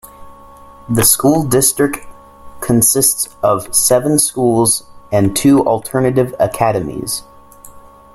The school district consists of seven schools and two alternative academies.